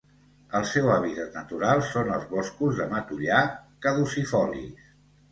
El seu hàbitat natural són els boscos de matollar caducifolis.